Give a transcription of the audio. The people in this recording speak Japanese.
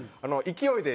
勢いで？